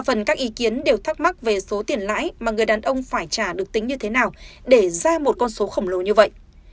phần các ý kiến đều thắc mắc về số tiền lãi mà người đàn ông phải trả được tính như thế nào để ra một con số khổng lồ như vậy